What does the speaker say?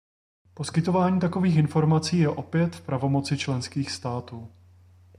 Poskytování takových informací je opět v pravomoci členských států.